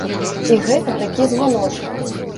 І гэта такі званочак.